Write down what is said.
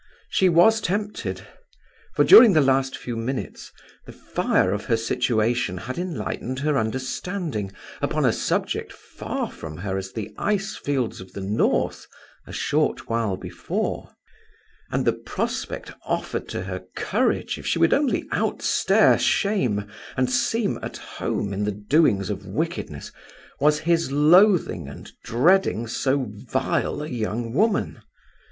She was tempted: for during the last few minutes the fire of her situation had enlightened her understanding upon a subject far from her as the ice fields of the North a short while before; and the prospect offered to her courage if she would only outstare shame and seem at home in the doings of wickedness, was his loathing and dreading so vile a young woman.